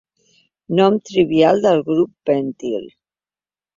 Nom trivial del grup pentil.